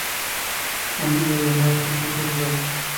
A menudo viajaba con su hijo Georg.